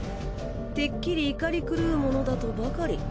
てっきり怒り狂うものだとばかり。